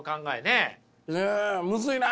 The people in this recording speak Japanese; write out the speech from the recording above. えむずいな！